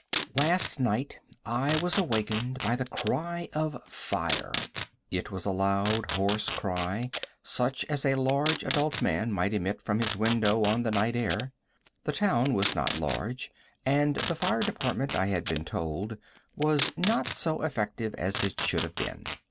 Last night I was awakened by the cry of fire. It was a loud, hoarse cry, such as a large, adult man might emit from his window on the night air. The town was not large, and the fire department, I had been told, was not so effective as it should have been.